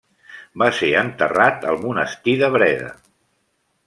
Va ser enterrat al monestir de Breda.